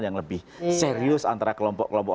yang lebih serius antara kelompok kelompok